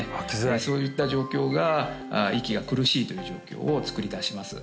そういった状況が息が苦しいという状況をつくりだします